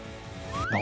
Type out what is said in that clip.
どう？